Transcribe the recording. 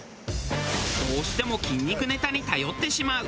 どうしても筋肉ネタに頼ってしまう。